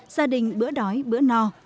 gia đình bữa đói bữa no